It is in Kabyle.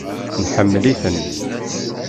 Neḥemmel-iten.